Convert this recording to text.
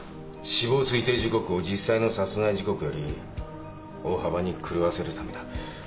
死亡推定時刻を実際の殺害時刻より大幅に狂わせるためだ。